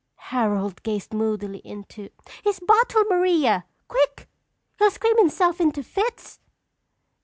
"Harold gazed moodily into " His bottle, Maria! Quick! He'll scream himself into fits!